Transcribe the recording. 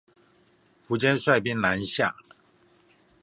苻堅率兵南下